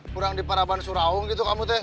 kurang di parabahan suraung gitu kamu tuh